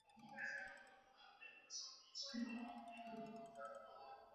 必须严格遵守北京市的统一规范